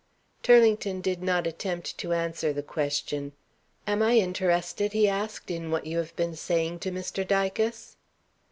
Turlington did not attempt to answer the question. "Am I interested," he asked, "in what you have been saying to Mr. Dicas?"